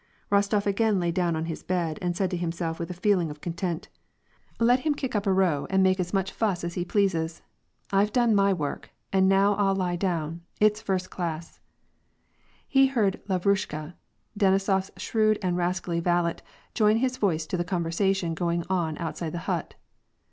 Bostof again lay down on his bed, and said to himself with a feeling of content; ''Let him kick up a row and make as WAR AND PEACE. 131 much fuss as be pleases ; I've done my work, and now 1*11 lie down ; it's first class !" He heard Lavnishka, Benisof s shrewd and rascally valet join his voice to the conversation going on outside the hut.